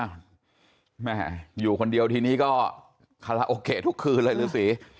แหมอยู่คนเดียวทีนี้ก็คัลโอเคทุกคืนเลยสิ